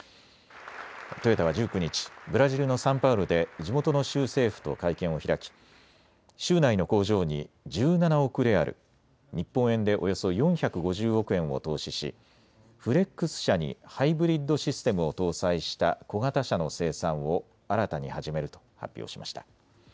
トヨタは１９日、ブラジルのサンパウロで地元の州政府と会見を開き州内の工場に１７億レアル、日本円でおよそ４５０億円を投資しフレックス車にハイブリッドシステムを搭載した小型車の生産を新たに始めると発表しました。